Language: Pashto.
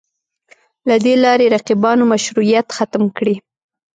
له دې لارې رقیبانو مشروعیت ختم کړي